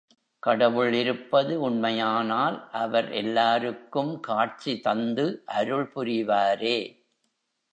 கடவுள் இருப்பது உண்மையானால் அவர் எல்லாருக்கும் காட்சி தந்து அருள் புரிவாரே!